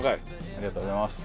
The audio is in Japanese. ありがとうございます。